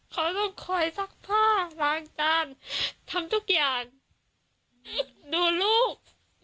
เขาต้องคอยซักผ้าล้างจานทำทุกอย่างดูลูก